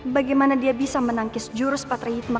bagaimana dia bisa menangkis jurus patra hitman